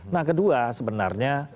nah kedua sebenarnya